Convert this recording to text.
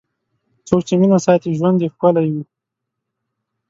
څوک چې مینه ساتي، ژوند یې ښکلی وي.